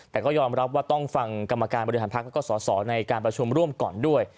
แต่ก็ยอมรับว่าต้องฟังกรรมการบริหารพักแล้วก็สอสอในการประชุมร่วมก่อนด้วย